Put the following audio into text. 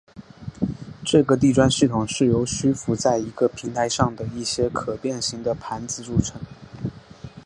这个地砖系统是由虚浮在一个平台上的一些可变型的盘子组成。